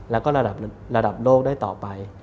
แล้วก็ระดับโลกได้ต่อไป